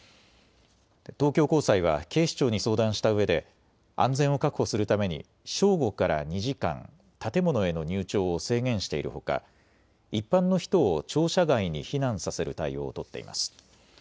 東京高裁は警視庁に相談したうえで安全を確保するために正午から２時間、建物への入庁を制限しているほか、一般の人を庁舎外に避難させる対応を取っています。